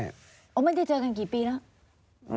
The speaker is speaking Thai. แล้วมาได้เจอกันกี่ปีแล้ว